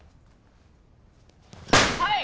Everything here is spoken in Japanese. はい！